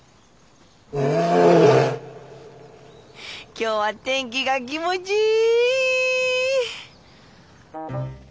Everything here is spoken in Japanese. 今日は天気が気持ちいい。